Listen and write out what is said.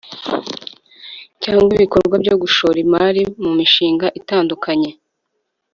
cyangwa ibikorwa byo gushora imari mu mishinga itandukanye